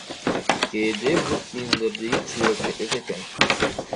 Кээде бут кийимдерди ит сүйрөп кетет экен.